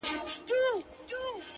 ستا د ښايستې خولې ښايستې خبري،